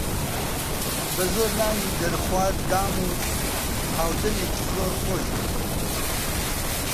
بە زۆر نانی دەرخوارد دام و هاودەمێکی زۆر خۆش بوو